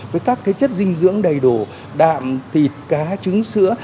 với các chất dinh dưỡng đầy đủ đạm thịt cá trứng sữa